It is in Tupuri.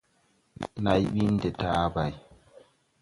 Nday ɓin de taabay.